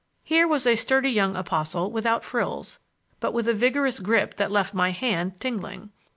Here was a sturdy young apostle without frills, but with a vigorous grip that left my hand tingling.